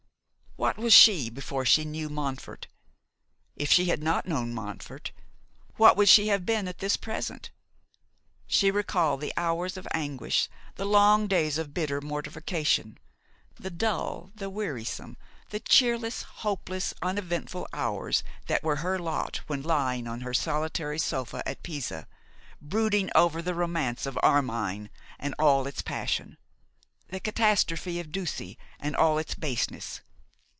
What was she before she knew Montfort? If she had not known Montfort, what would she have been even at this present? She recalled the hours of anguish, the long days of bitter mortification, the dull, the wearisome, the cheerless, hopeless, uneventful hours that were her lot when lying on her solitary sofa at Pisa, brooding over the romance of Armine and all its passion; the catastrophe of Ducie, and all its baseness.